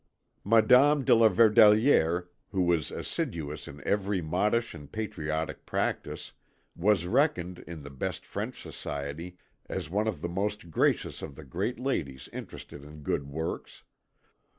Madame de la Verdelière, who was assiduous in every modish and patriotic practice, was reckoned, in the best French society, as one of the most gracious of the great ladies interested in good works.